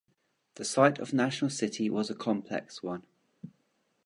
The site of National City was a complex one.